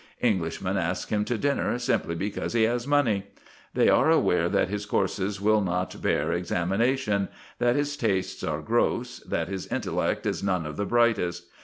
Englishmen ask him to dinner simply because he has money. They are aware that his courses will not bear examination, that his tastes are gross, that his intellect is none of the brightest.